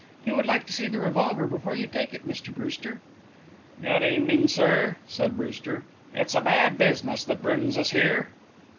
"He would like to see the revolver before you take it, Mr Brewster." "Good evening, sir," said Brewster. "It's a bad business that brings us here."